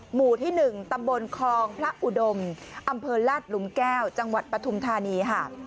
หมู่ที่๑ตำบลคลองพระอุดมอำเภอลาดหลุมแก้วจังหวัดปฐุมธานีค่ะ